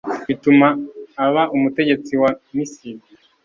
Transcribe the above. bituma aba umutegetsi wa misiri